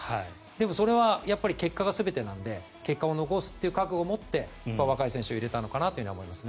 でも、それは結果が全てなんで結果を残すという覚悟を持って若い選手を入れたのかなと思います。